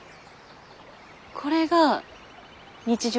これが日常